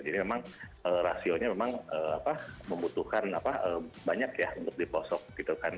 jadi memang rasionya memang membutuhkan banyak ya untuk di posok gitu kan